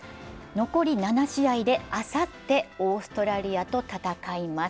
残り７試合であさってオーストラリアと戦います。